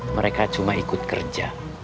mereka cuma ikut kerja